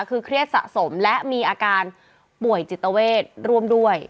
คือเครียดสะสมและมีอาการป่วยจิตเวทร่วมด้วย